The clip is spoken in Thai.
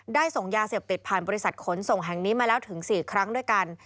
ได้ส่งยาเสพติดผ่านบริษัทขนส่งแห่งนี้มาแล้วถึง๔ครั้งด้วยกัน